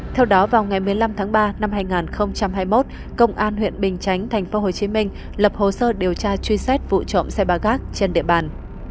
theo đó vào ngày một mươi năm tháng ba năm hai nghìn hai mươi một công an huyện bình chánh tp hcm lập hồ sơ điều tra truy xét vụ trộm xe ba gác trên địa bàn